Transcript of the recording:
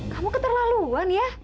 kamu keterlaluan ya